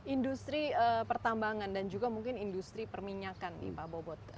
industri pertambangan dan juga mungkin industri perminyakan nih pak bobot